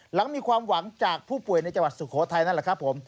หลังมีความหวังจากผู้ป่วยในจังหวัดสุโขทัยนั่นแหละครับผม